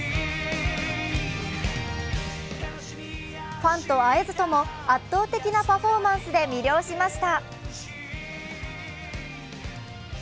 ファンと会えずとも圧倒的なパフォーマンスで魅了しました。